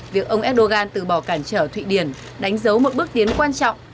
việc ông erdogan từ bỏ cản trở thụy điển đánh dấu một bước tiến quan trọng